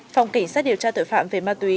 phòng kỳ xác điều tra tội phạm về ma túy